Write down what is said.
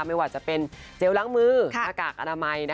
ไม่ว่าจะเป็นเจลล้างมือหน้ากากอนามัย